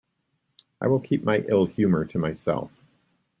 I will keep my ill-humour to myself.